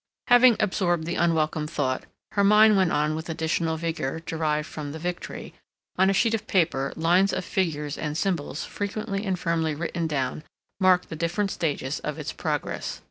Having absorbed the unwelcome thought, her mind went on with additional vigor, derived from the victory; on a sheet of paper lines of figures and symbols frequently and firmly written down marked the different stages of its progress.